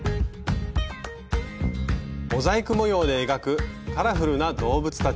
モザイク模様で描くカラフルな動物たち。